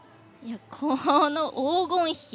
あの黄金比。